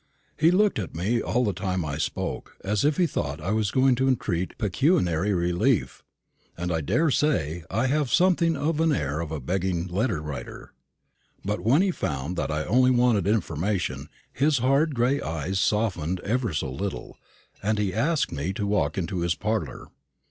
He looked at me all the time I spoke as if he thought I was going to entreat pecuniary relief and I daresay I have something the air of a begging letter writer. But when he found that I only wanted information, his hard gray eyes softened ever so little, and he asked me to walk into his parlour.